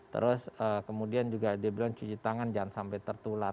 terus kemudian juga dia bilang cuci tangan jangan sampai tertular